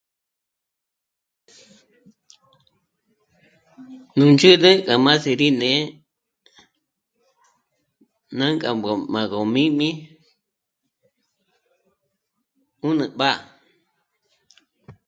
Nú ndzhü̂b'ü gá má'a sí rí né'e nânk'a mbò'o má gí míjm'i 'ùnü b'a